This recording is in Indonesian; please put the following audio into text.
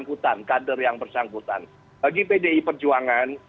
ketua dpp pdi perjuangan